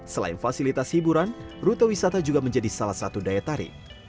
selain fasilitas hiburan rute wisata juga menjadi salah satu daya tarik